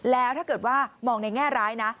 แล้วถ้าเกิดว่ามองในแง่ร้ายนะ